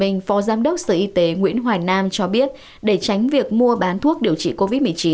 nguyễn hoài nam cho biết để tránh việc mua bán thuốc điều trị covid một mươi chín